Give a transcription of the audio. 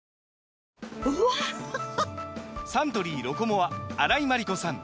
サントリー「ロコモア」荒井眞理子さん